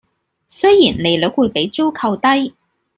雖然利率會比租購低